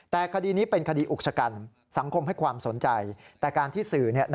แต่คดีนี้เป็นคดีอุกชกัน